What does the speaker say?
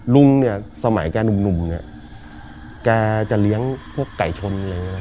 ลุงสมัยแกหนุ่มแกจะเลี้ยงพวกไก่ชน